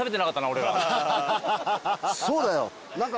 そうだよ。